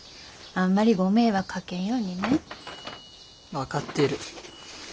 あんまりご迷惑かけんようにね。分かってる。